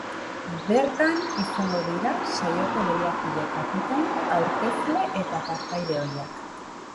Bertan izango dira saioko lehiakide, kapitain, aurkezle eta partaide ohiak.